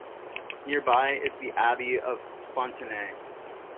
Nearby is the Abbey of Fontenay.